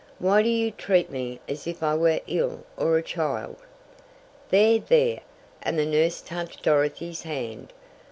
Why do you treat me as if I were ill or a child?" "There, there," and the nurse touched Dorothy's hand.